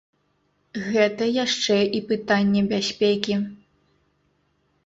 Гэта яшчэ і пытанне бяспекі.